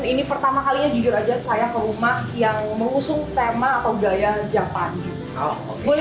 ini pertama kalinya tidur saja saya ke rumah yang mengusung tema atau gaya japandi